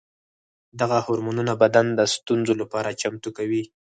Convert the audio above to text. دغه هورمونونه بدن د ستونزو لپاره چمتو کوي.